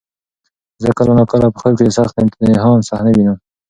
زه کله ناکله په خوب کې د سخت امتحان صحنه وینم.